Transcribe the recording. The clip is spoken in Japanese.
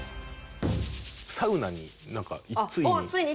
サウナになんかついに。